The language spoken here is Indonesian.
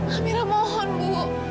amira mohon bu